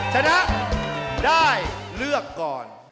ชนะได้เลือกก่อน